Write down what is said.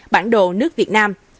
bản đồ nước việt nam